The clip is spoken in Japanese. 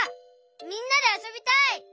みんなであそびたい！